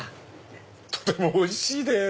とてもおいしいです！